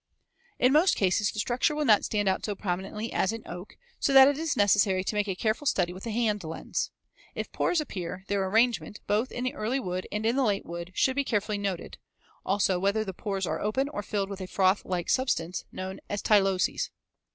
In most cases the structure will not stand out so prominently as in oak, so that it is necessary to make a careful study with the hand lens. If pores appear, their arrangement, both in the early wood and in the late wood, should be carefully noted; also whether the pores are open or filled with a froth like substance known as tyloses.